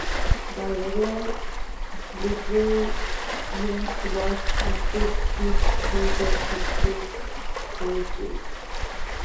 The regiment was assigned to the Texas Brigade.